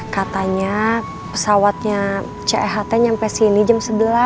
katanya pesawatnya ceht nyampe sini jam sebelas